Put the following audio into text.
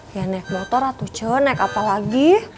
ya naik motor atu ce naik apa lagi